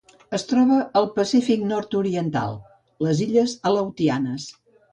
Es troba al Pacífic nord-oriental: les illes Aleutianes.